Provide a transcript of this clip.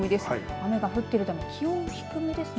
雨が降っているため気温低めですね。